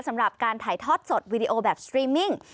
สำหรับการถ่ายทอดสดวีดีโอแบบสตรีมมิ่ง